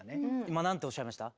今何ておっしゃいました？